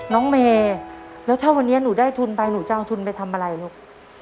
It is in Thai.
น้องเมย์แล้วถ้าวันนี้หนูได้ทุนไปหนูจะเอาทุนไปทำอะไรลูก